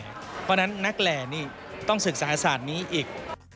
เพราะฉะนั้นนักแหล่นี่ต้องศึกษาศาสตร์นี้อีก